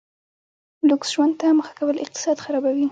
لوکس ژوند ته مخه کول اقتصاد خرابوي.